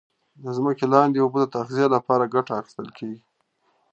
د ځمکې لاندي اوبو د تغذیه لپاره کټه اخیستل کیږي.